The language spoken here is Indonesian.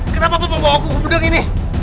kenapa bawa aku ke gudang ini